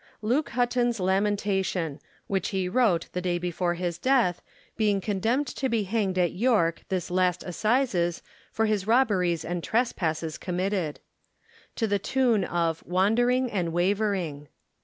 =Luke Hutton's Lamentation: which he wrote the day before his death, being condemned to be Hanged at Yorke this last Assises for his robberies and trespasses committed.= TO THE TUNE OF "WANDERING AND WAVERING."